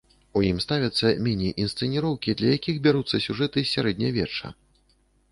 У ім ставяцца міні-інсцэніроўкі, для якіх бяруцца сюжэты з сярэднявечча.